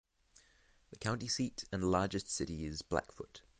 The county seat and largest city is Blackfoot.